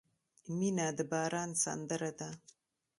• مینه د باران سندره ده.